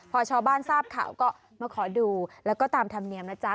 พอชาวบ้านทราบข่าวก็มาขอดูแล้วก็ตามธรรมเนียมนะจ๊ะ